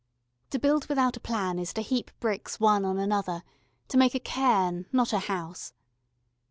To build without a plan is to heap bricks one on another, to make a cairn, not a house.